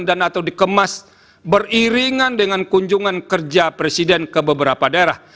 dan atau dikemas beriringan dengan kunjungan kerja presiden ke beberapa daerah